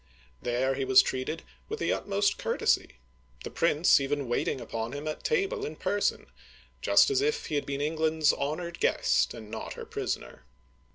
There he was treated with the utmost courtesy, the Prince even waiting upon him at table in person, just as if he had been Eng land's honored guest, and not her prisoner.